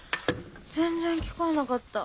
全然聞こえなかった。